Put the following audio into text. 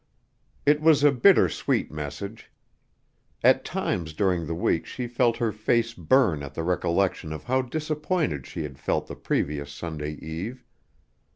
It was a bitter sweet message. At times during the week she felt her face burn at the recollection of how disappointed she had felt the previous Sunday eve.